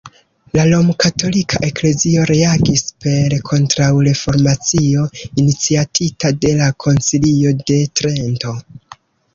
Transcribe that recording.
La Romkatolika Eklezio reagis per Kontraŭreformacio iniciatita de la Koncilio de Trento.